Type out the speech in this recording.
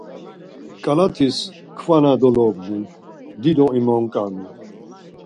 Ǩalatis kva na dolobğun, dido imonǩanu.